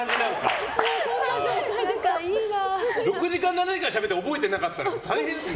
６時間７時間しゃべって覚えてなかったら大変ですね。